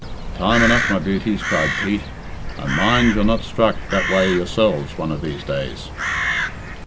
"Time enough, my beauties," cried Pete; "and mind you're not struck that way yourselves one of these days."